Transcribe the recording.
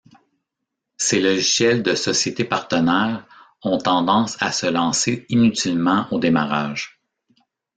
Ces logiciels de sociétés partenaires ont tendance à se lancer inutilement au démarrage.